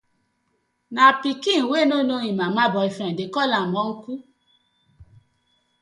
Na pikin wey no know im mama boyfriend dey call am uncle.